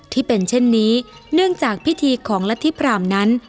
ที่เป็นเช่นนี้เนื่องจากพิธีของรัฐธิพรามนั้น